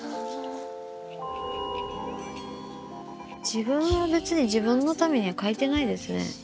自分は別に自分のためには描いてないですね。